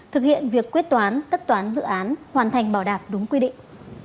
thực hiện việc quyết toán tất toán dự án hoàn thành bảo đảm đúng quy định